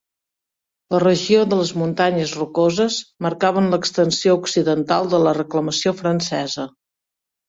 La regió de les Muntanyes Rocoses marcaven l'extensió occidental de la reclamació francesa.